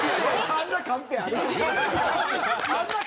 あんなカンペある？